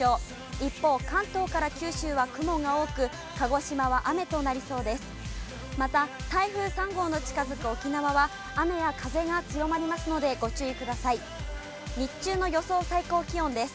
一方、関東から九州は雲が多く、鹿児島は雨となりそうです。